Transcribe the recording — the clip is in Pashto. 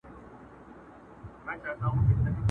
o غل چي غلا کوي، قرآن په بغل کي ورسره گرځوي٫